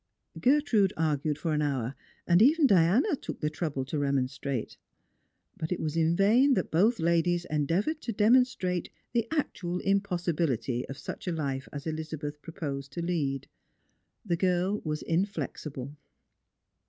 Gertrude argued for an hour, and even Diana took the trouble to remonstrate. But it was in vain that both ladies endeavoured to demonstrate the actual impossibility of such a life as EUzabeth proposed to lead. The girl was inflexible.